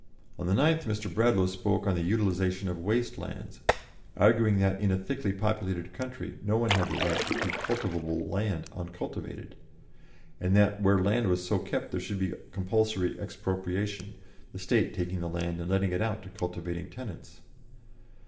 On the 9th Mr. Bradlaugh spoke on the utilisation of waste lands, arguing that in a thickly populated country no one had the right to keep cultivable land uncultivated, and that where land was so kept there should be compulsory expropriation, the state taking the land and letting it out to cultivating tenants.